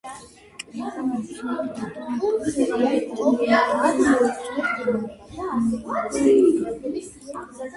კრებამ უცვლელად დატოვა ეკლესიის დროებითი მმართველობის გადაწყვეტილება იმერეთის ეპისკოპოს გიორგი ალადაშვილის შესახებ.